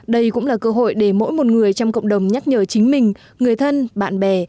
đây cũng là cơ hội để mỗi một người trong cộng đồng nhắc nhở chính mình người thân bạn bè